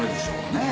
ねえ？